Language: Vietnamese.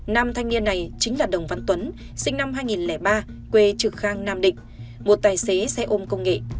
nam thanh niên này chính là đồng văn tuấn sinh năm hai nghìn ba quê trực khang nam định một tài xế xe ôm công nghệ